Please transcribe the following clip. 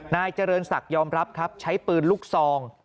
นายเจริญศักดิ์ยอมรับครับใช้ปืนลูกซอง